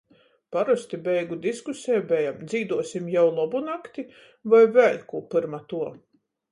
Parosti beigu diskuseja beja: "Dzīduosim jau "Lobu nakti" voi vēļ kū pyrma tuo?".